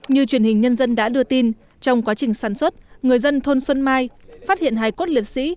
như truyền hình nhân dân đã đưa tin trong quá trình sản xuất người dân thôn xuân mai phát hiện hài cốt liệt sĩ